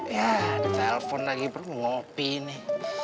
ya ada telepon lagi perlu ngopi nih